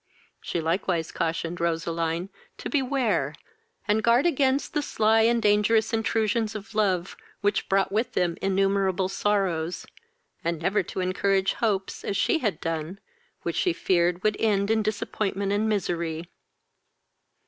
She likewise cautioned Roseline to beware, and guard against the fly and dangerous intrusions of love, which brought with them innumerable sorrows, and never to encourage hopes, as she had done, which she feared would end in disappointment and misery.